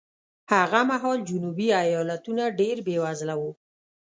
هغه مهال جنوبي ایالتونه ډېر بېوزله وو.